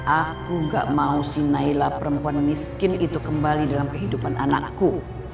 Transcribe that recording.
aku gak mau si naila perempuan miskin itu kembali dalam kehidupan anakku